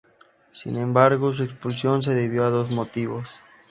Sin embargo, su expulsión se debió a dos motivos.